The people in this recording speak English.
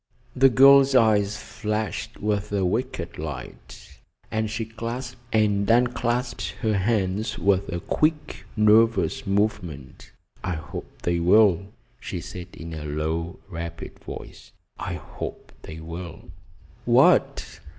The girl's eyes flashed with a wicked light, and she clasped and unclasped her hands with a quick, nervous movement. "I hope they will," she said in a low, rapid voice. "I hope they will." "What!"